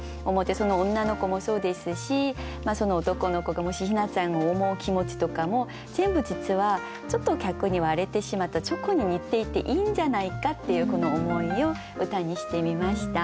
その女の子もそうですしその男の子がもしひなちゃんを思う気持ちとかも全部実はちょっと逆に割れてしまったチョコに似ていていいんじゃないかっていうこの思いを歌にしてみました。